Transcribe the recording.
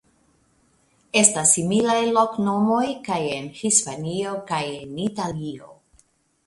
Estas similaj loknomoj kaj en Hispanio kaj en Italio.